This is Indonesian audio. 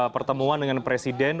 pertemuan dengan presiden